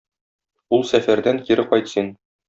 Ул сәфәрдән кире кайт син.